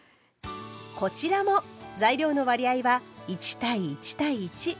こちらも材料の割合は１：１：１。